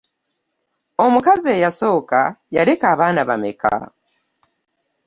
Omukazi eyasooka yaleka abaana bameka?